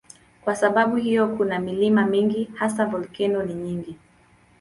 Kwa sababu hiyo kuna milima mingi, hasa volkeno ni nyingi.